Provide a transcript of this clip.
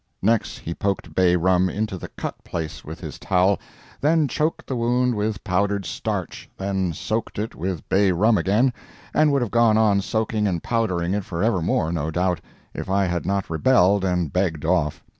Next he poked bay rum into the cut place with his towel, then choked the wound with powdered starch, then soaked it with bay rum again, and would have gone on soaking and powdering it for evermore, no doubt, if I had not rebelled and begged off.